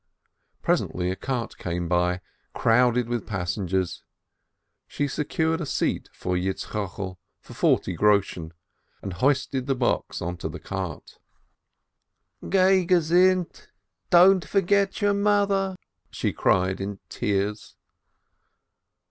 Presently a cart came by, crowded with passengers. She secured a seat for Yitzchokel for forty groschen, and hoisted the box into the cart. "Go in health! Don't forget your mother!" she cried in tears.